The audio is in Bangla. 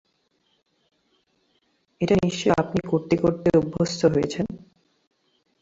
এটা নিশ্চয়ই আপনি করতে করতে অভ্যস্ত হয়েছেন…